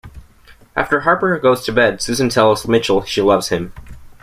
After Harper goes to bed, Susan tells Mitchell she loves him.